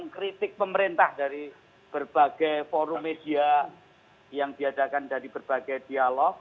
kritik pemerintah dari berbagai forum media yang diadakan dari berbagai dialog